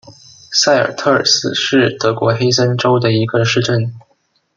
塞尔特尔斯是德国黑森州的一个市镇。